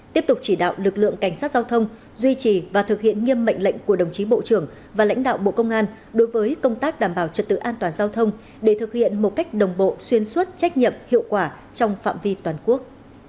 tiếp tục chỉ đạo lực lượng cảnh sát giao thông duy trì và thực hiện nghiêm mệnh lệnh của đồng chí bộ trưởng và lãnh đạo bộ công an đối với công tác đảm bảo trật tự an toàn giao thông để thực hiện một cách đồng bộ xuyên suốt trách nhiệm hiệu quả trong phạm vi toàn quốc